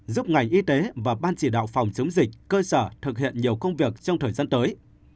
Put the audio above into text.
giúp ngành y tế và ban chỉ đạo phòng chống dịch cơ sở thực hiện nhiều công việc trong thời gian tới